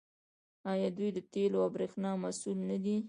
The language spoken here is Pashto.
آیا دوی د تیلو او بریښنا مسوول نه دي؟